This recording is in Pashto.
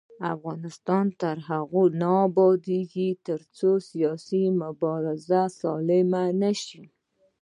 افغانستان تر هغو نه ابادیږي، ترڅو سیاسي مبارزه سالمه نشي.